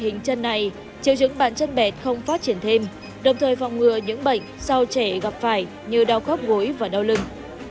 khi đi đế chỉnh hình chân này chiều dưỡng bàn chân bẹt không phát triển thêm đồng thời phòng ngừa những bệnh sau trẻ gặp phải như đau khóc ngối và đau lưng